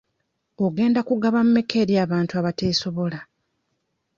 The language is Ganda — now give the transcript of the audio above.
Ogenda kugaba mmeka eri abantu abateesobola?